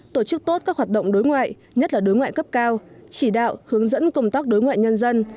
tổ chức tốt các hoạt động đối ngoại nhất là đối ngoại cấp cao chỉ đạo hướng dẫn công tác đối ngoại nhân dân